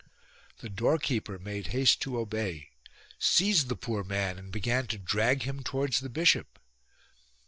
The doorkeeper made haste to obey, 84 THE RED HEADED BOOR seized the poor man and began to drag him towards the bishop.